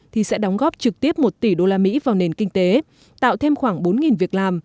thì sẽ đóng góp trực tiếp một tỷ usd vào nền kinh tế tạo thêm khoảng bốn việc làm